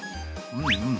うんうん。